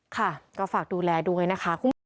ค่ะก็ฝากดูแลด้วยนะคะ